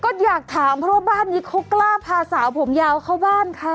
ก็อยากถามเพราะว่าบ้านนี้เขากล้าพาสาวผมยาวเข้าบ้านค่ะ